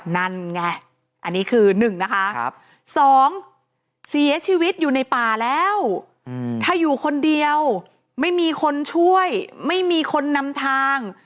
นั่นไงอันนี้คือ๑นะคะ๒เสียชีวิตอยู่ในป่าแล้วถ้าอยู่คนเดียวไม่มีคนช่วยไม่มีคนนำทาง